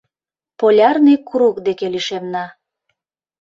Полярный круг деке лишемна.